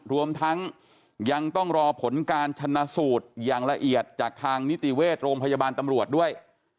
รวมทั้งยังต้องรอผลการชนะสูตรอย่างละเอียดจากทางนิติเวชโรงพยาบาลตำรวจด้วย